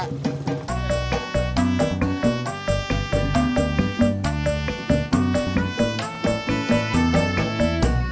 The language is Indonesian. unggurin level status begini